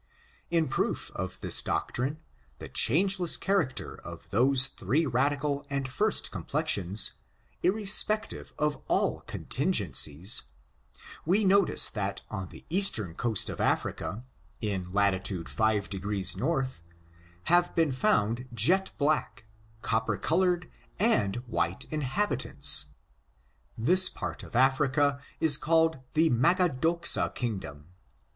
In proof of this doctrine, the changeless character of those three radical and first complexions, irrespec tive of all contingencies, we notice that on the eastern coast of Africa, in latitude five degrees north, have been found jet black, copper colored and white inhat) itants. This part of Africa is called the Magadoxa kingdom.